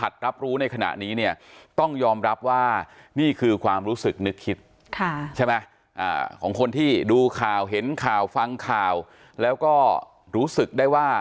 ของคนที่ดูข่าวเห็นข่าวฟังข่าวแล้วก็รู้สึกได้ว่า